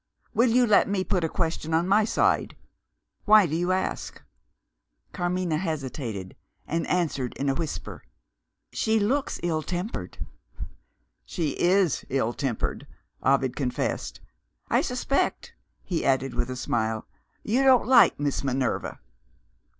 "Will you let me put a question on my side? Why do you ask?" Carmina hesitated and answered in a whisper, "She looks ill tempered." "She is ill tempered," Ovid confessed. "I suspect," he added with a smile, "you don't like Miss Minerva."